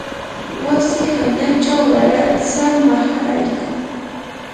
wasi hanachaw qaratsa maharaykan